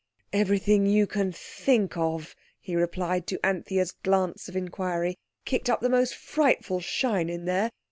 "Everything you can think of," he replied to Anthea's glance of inquiry. "Kicked up the most frightful shine in there.